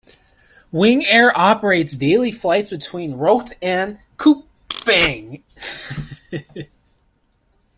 Wings Air Operates daily flights between Rote and Kupang.